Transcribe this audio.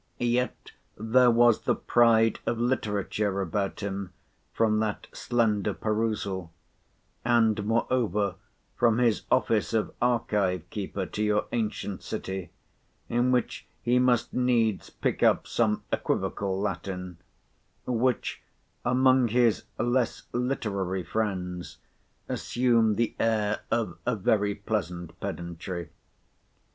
Yet there was the pride of literature about him from that slender perusal; and moreover from his office of archive keeper to your ancient city, in which he must needs pick up some equivocal Latin; which, among his less literary friends, assumed the air of a very pleasant pedantry.